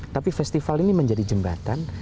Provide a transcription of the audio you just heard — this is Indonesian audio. tapi festival ini menjadi jembatan